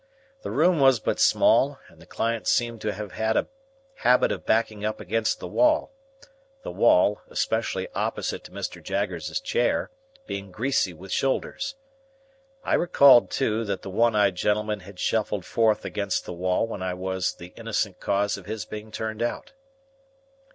The room was but small, and the clients seemed to have had a habit of backing up against the wall; the wall, especially opposite to Mr. Jaggers's chair, being greasy with shoulders. I recalled, too, that the one eyed gentleman had shuffled forth against the wall when I was the innocent cause of his being turned out.